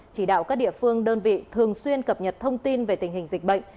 chỉ đạo các địa phương đơn vị thường xuyên cập nhật thông tin về tình hình dịch bệnh